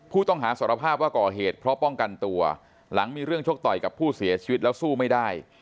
ผู้ต้องหาสารภาพว่าก่อเหตุเพราะป้องกันตัวหลังมีเรื่องชกต่อยกับผู้เสียชีวิตแล้วสู้ไม่ได้